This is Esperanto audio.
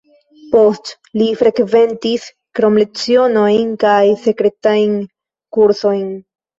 Poste li frekventis kromlecionojn kaj sekretajn kursojn.